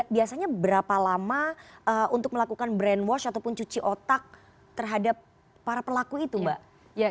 biasanya berapa lama untuk melakukan brainwash ataupun cuci otak terhadap para pelaku itu mbak